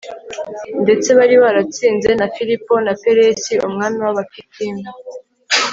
ndetse bari baratsinze na filipo na perise, umwami w'abakitimu